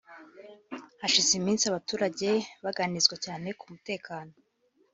Hashize iminsi abaturage baganirizwa cyane ku mutekano